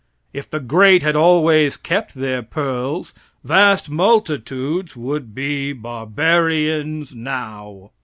If the great had always kept their pearls, vast multitudes would be barbarians now.